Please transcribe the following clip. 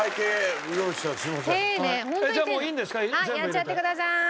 やっちゃってください。